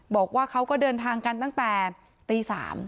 บอกว่าเขาก็เดินทางกันตั้งแต่ตี๓